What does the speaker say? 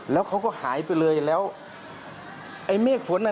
แล้วก็เรียกเพื่อนมาอีก๓ลำ